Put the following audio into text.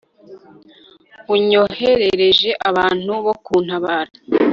unyoherereje abantu bo kuntabara